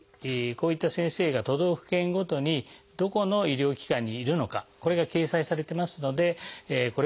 こういった先生が都道府県ごとにどこの医療機関にいるのかこれが掲載されてますのでこれを参考にしてみてください。